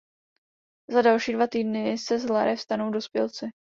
Za další dva týdny se z larev stanou dospělci.